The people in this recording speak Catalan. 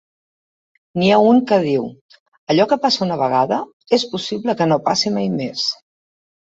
N'hi ha un que diu: allò que passa una vegada, és possible que no passi mai més.